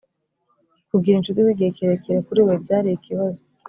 kugira inshuti z’igihe kirekire kuri we, byari ikibazo “